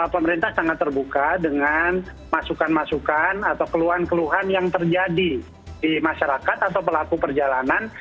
pemerintah sangat terbuka dengan masukan masukan atau keluhan keluhan yang terjadi di masyarakat atau pelaku perjalanan